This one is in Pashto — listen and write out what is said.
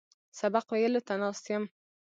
سبق ویلو ته ناست یم.